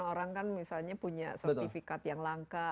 orang kan misalnya punya sertifikat yang langka